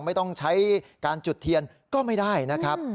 ไม่ต้องใช้การจุดเทียนก็ไม่ได้นะครับ